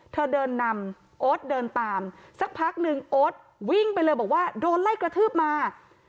เธอเดินนำโอ๊ตเดินตามสักพักหนึ่งโอ๊ตวิ่งไปเลยบอกว่าโดนไล่กระทืบมา